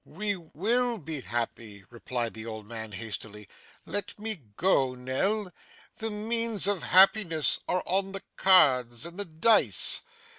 'We WILL be happy,' replied the old man hastily. 'Let me go, Nell. The means of happiness are on the cards and the dice.